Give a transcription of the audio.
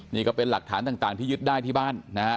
นี่ก็เป็นหลักฐานต่างที่ยึดได้ที่บ้านนะฮะ